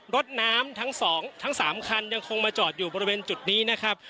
รถน้ำทั้งสองทั้ง๓คันยังคงมาจอดอยู่บริเวณจุดนี้นะครับ